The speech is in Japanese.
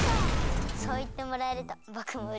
そういってもらえるとぼくもうれしいです。